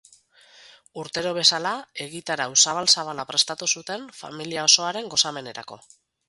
Urtero bezala, egitarau zabal-zabala prestatu zuten, familia osoaren gozamenerako.